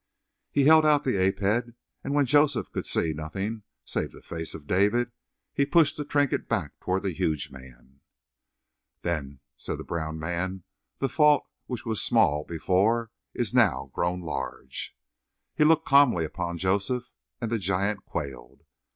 He held out the ape head, and when Joseph could see nothing save the face of David, he pushed the trinket back toward the huge man. "Then," said the brown man, "the fault which was small before is now grown large." He looked calmly upon Joseph, and the giant quailed.